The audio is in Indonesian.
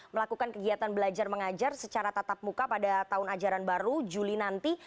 melakukan kegiatan belajar mengajar secara tatap muka pada tahun ajaran baru juli nanti